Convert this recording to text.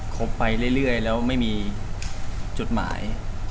ไปเรื่อยแล้วไม่มีจดหมาย